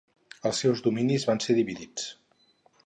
Els seus dominis van ser dividits.